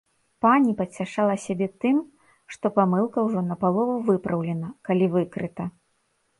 Пані пацяшала сябе тым, што памылка ўжо напалову выпраўлена, калі выкрыта.